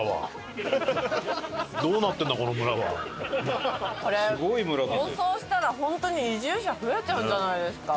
これ放送したら本当に移住者増えちゃうんじゃないですか？